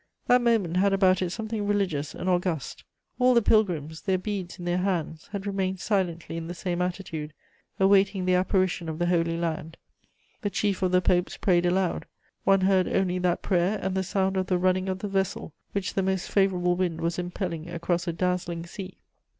That moment had about it something religious and august: all the pilgrims, their beads in their hands, had remained silently in the same attitude, awaiting the apparition of the Holy Land; the chief of the popes prayed aloud: one heard only that prayer and the sound of the running of the vessel, which the most favourable wind was impelling across a dazzling sea.